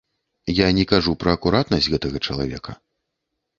Я не кажу пра акуратнасць гэтага чалавека.